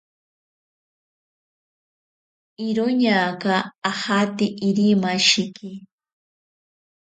Iroñaka ajate Irimashiki.